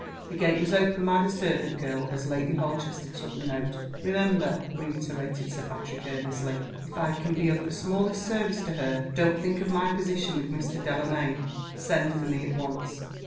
The gate was opened by the servant girl, as Lady Holchester took the note. "Remember," reiterated Sir Patrick, earnestly "if I can be of the smallest service to her don't think of my position with Mr. Delamayn. Send for me at once."